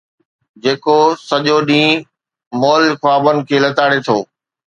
جيڪو سڄو ڏينهن مئل خوابن کي لتاڙي ٿو